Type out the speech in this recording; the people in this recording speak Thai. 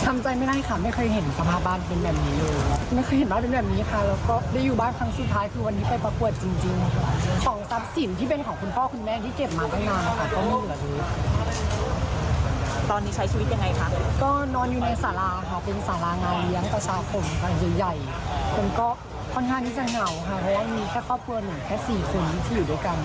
อันนี้จะเหงาค่ะแต่ว่ามีแค่ครอบครัวหนึ่งแค่สี่คุณที่อยู่ด้วยกัน